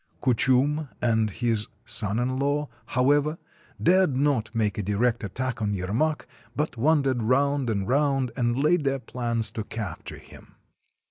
Kuchum and his son in law, 170 THE CONQUEST OF SIBERIA however, dared not make a direct attack on Yermak, but wandered round and round, and laid their plans to capture him.